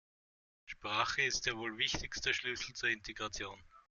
Sprache ist der wohl wichtigste Schlüssel zur Integration.